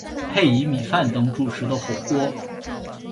配以米饭等主食的火锅。